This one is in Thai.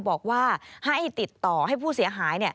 บอกว่าให้ติดต่อให้ผู้เสียหาย